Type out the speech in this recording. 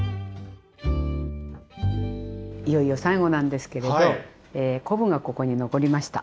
いよいよ最後なんですけれど昆布がここに残りました。